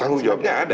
tanggung jawabnya ada